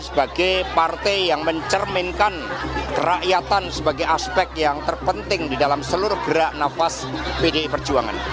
sebagai partai yang mencerminkan kerakyatan sebagai aspek yang terpenting di dalam seluruh gerak nafas pdi perjuangan